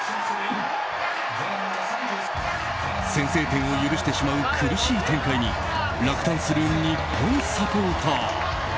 先制点を許してしまう苦しい展開に落胆する日本サポーター。